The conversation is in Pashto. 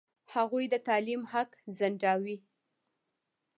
هغوی د تعلیم حق ځنډاوه.